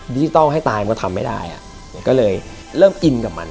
ดิจิทัลให้ตายมันก็ทำไม่ได้อ่ะมันก็เลยเริ่มอินกับมัน